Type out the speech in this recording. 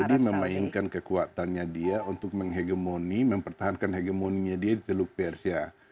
nah ini ya saudi memainkan kekuatannya dia untuk menghegemoni mempertahankan hegemoninya dia di teluk persia